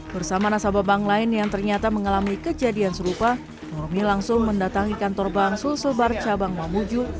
bersama nasabah bank lain yang ternyata mengalami kejadian serupa nurmi langsung mendatangi kantor bank sulselbar cabang mamuju